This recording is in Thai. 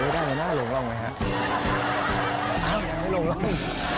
อื้อได้เหรอหน้าหลงแล้วนะครับ